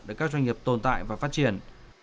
để các doanh nghiệp tồn tại và phát triển